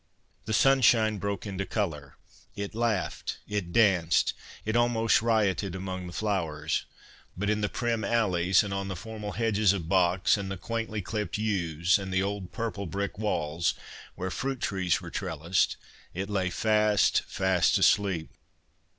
The sunshine broke into colour, it laughed, it danced, it almost rioted, among the flowers ; but in the 120 CONFESSIONS OF A BOOK LOVER prim alleys, and on the formal hedges of box, and the quaintly clipped yews, and the old purple brick walls, where fruit trees were trellised, it lay fast, fast asleep.